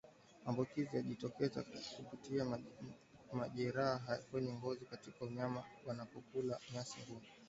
Maambukizi hujitokeza kupitia majeraha kwenye ngozi wakati mnyama anapokula nyasi ngumu